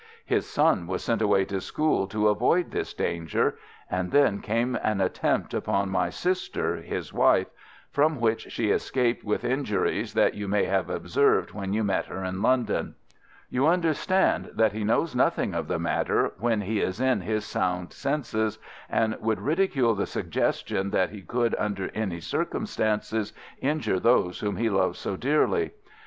His son was sent away to school to avoid this danger, and then came an attempt upon my sister, his wife, from which she escaped with injuries that you may have observed when you met her in London. You understand that he knows nothing of the matter when he is in his sound senses, and would ridicule the suggestion that he could under any circumstances injure those whom he loves so dearly.